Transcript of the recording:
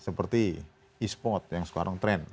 seperti e sport yang sekarang trend